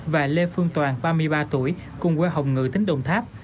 và lê phương toàn ba mươi ba tuổi cùng quê hồng ngự tỉnh đồng tháp